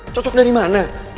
cocok dari mana